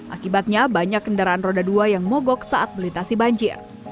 akibatnya banyak kendaraan roda dua yang mogok saat melintasi banjir